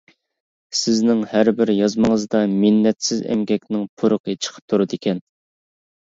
سىزنىڭ ھەربىر يازمىڭىزدا مىننەتسىز ئەمگەكنىڭ پۇرىقى چىقىپ تۇرىدىكەن.